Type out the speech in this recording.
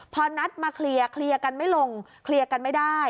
พอนัดมาเคลียร์เคลียร์กันไม่ลงเคลียร์กันไม่ได้